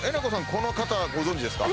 この方はご存じですか？